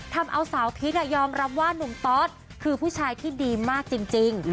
ทำเอาสาวพีชยอมรับว่านุ่มตอสคือผู้ชายที่ดีมากจริง